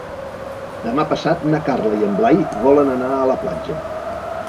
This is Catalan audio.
Demà passat na Carla i en Blai volen anar a la platja.